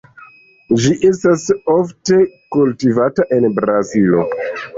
Ĝi estas ofte kultivata en Brazilo.